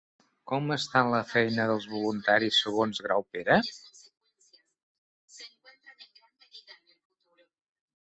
Com ha estat la feina dels voluntaris segons Graupera?